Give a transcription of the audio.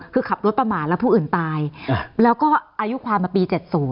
คือขับรถประมาทแล้วผู้อื่นตายแล้วก็อายุความมาปี๗๐